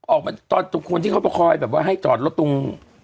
ออกมาตอนคนที่เขาประคอยแบบว่าให้จอดรถตรง